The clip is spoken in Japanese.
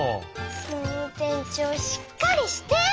もうてんちょうしっかりして！